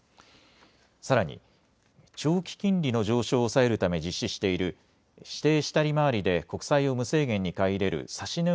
さらに長期金利の上昇を抑えるため実施している指定した利回りで国債を無制限に買い入れる指値